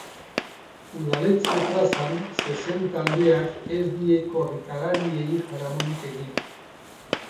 Udaletxe plazan zezen taldeak ez die korrikalariei jaramonik egin.